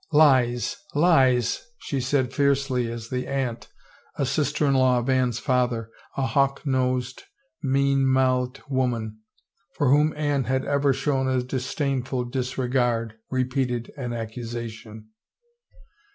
" Lies, lies !" she said fiercely as the aunt — a sister in law of Anne's father, a hawk nosed, mean mouthed woman, for whom Anne had ever shown a disdainful disregard, repeated, an accusation.